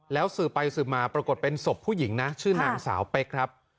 แล้วสื่อไปสื่อมาปรากฏเป็นศพผู้หญิงชื่อนางสาวเป๊ก